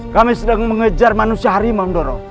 kami sedang mengejar manusia harimau mendorong